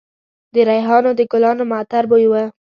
د ریحانو د ګلانو معطر بوی و